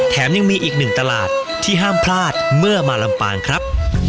ยังมีอีกหนึ่งตลาดที่ห้ามพลาดเมื่อมาลำปางครับ